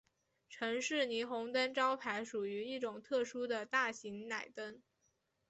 城市霓虹灯招牌属于一种特殊的大型氖灯。